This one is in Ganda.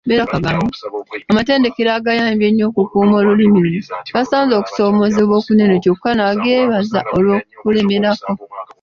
Amatendekero agayambye ennyo okukuuma olulimi luno, gasanze okusoomoozebwa okunene kyokka n’ageebaza olw’okulemerako.